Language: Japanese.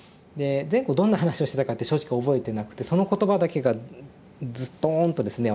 前後どんな話をしてたかって正直覚えてなくてその言葉だけがズトーンとですね